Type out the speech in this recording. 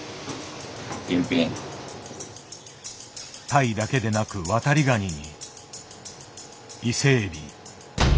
タイだけでなくワタリガニに伊勢エビ。